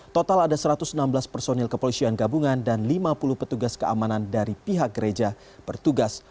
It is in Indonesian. total ada satu ratus enam belas personil kepolisian gabungan dan lima puluh petugas keamanan dari pihak gereja bertugas